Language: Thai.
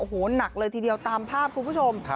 โอ้โหหนักเลยทีเดียวตามภาพคุณผู้ชม